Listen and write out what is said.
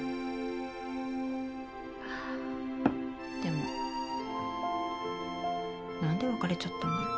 でもなんで別れちゃったんだろう。